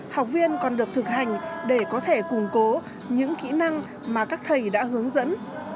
học viên còn được thực hành để có thể củng cố những kỹ năng mà các thầy đã hướng dẫn